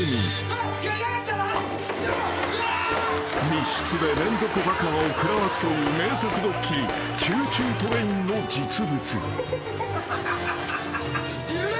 ［密室で連続爆破を食らわすという名作ドッキリチューチュートレインの実物］